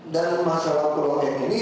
dan masalah pulau m ini sudah selesai